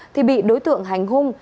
thì bị đối tượng hành hung